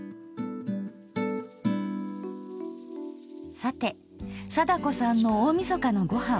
さて貞子さんの大みそかのごはん。